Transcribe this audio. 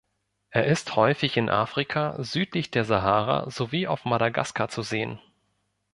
Er ist häufig in Afrika südlich der Sahara sowie auf Madagaskar zu sehen.